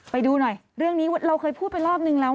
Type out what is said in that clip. ไปดูหน่อยเรื่องนี้เราเคยพูดไปรอบนึงแล้ว